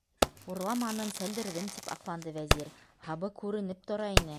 - Урламаным, сәлдерҙем, - тип аҡланды Вәзир, - һабы күренеп тора ине.